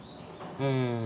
うん。